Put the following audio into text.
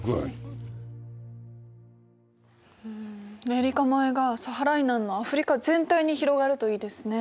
ネリカ米がサハラ以南のアフリカ全体に広がるといいですね。